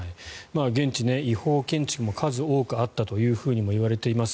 現地、違法建築も数多くあったともいわれています。